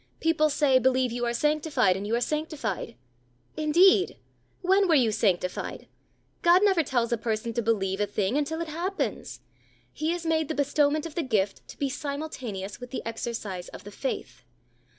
People say, "Believe you are sanctified, and you are sanctified." Indeed! When were you sanctified? God never tells a person to believe a thing until it happens. He has made the bestowment of the gift to be simultaneous with the exercise of the faith.